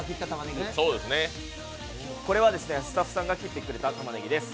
これはスタッフさんが切ってくれたタマネギです。